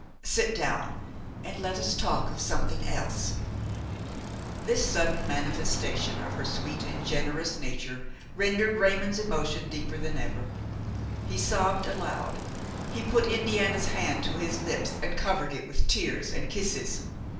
Sit down and let us talk of something else." This sudden manifestation of her sweet and generous nature rendered Raymon's emotion deeper than ever. He sobbed aloud; he put Indiana's hand to his lips and covered it with tears and kisses.